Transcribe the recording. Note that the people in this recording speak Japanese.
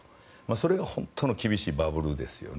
それが本当に厳しいバブルですよね。